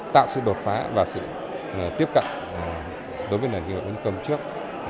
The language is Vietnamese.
tạo sự đột phá và sự tiếp cận đối với nền nghiệp bốn trước